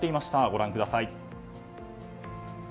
ご覧ください。